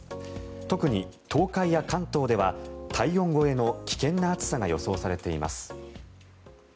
特に東海や関東では体温超えの危険な暑さが予想されています。